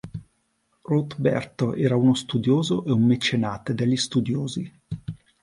Routberto era uno studioso e un mecenate degli studiosi.